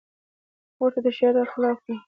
وژنه د شریعت خلاف ده